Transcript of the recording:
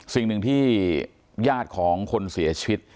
สิ่งหนึ่งที่ญาติของคนเสียชีวิต